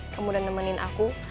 kamu udah nemenin aku